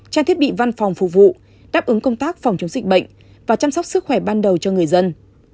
trang thiết bị văn phòng phục vụ đáp ứng công tác phòng chống dịch bệnh và chăm sóc sức khỏe ban đầu cho người dân